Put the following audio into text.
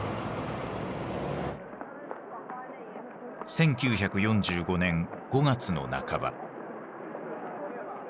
１９４５年５月の半ば。